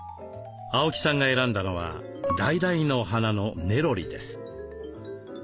青木さんが選んだのはダイダイの花のネロリです。